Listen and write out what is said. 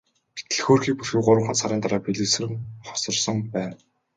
Гэтэл хөөрхий бүсгүй гуравхан сарын дараа бэлэвсрэн хоцорсон байна.